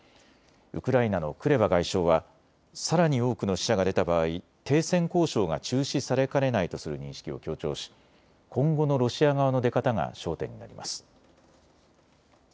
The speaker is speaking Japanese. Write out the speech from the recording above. ウクライナのクレバ外相はさらに多くの死者が出た場合、停戦交渉が中止されかねないとする認識を強調し今後のロシア側の出方が焦点になります。